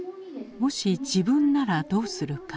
もし自分ならどうするか。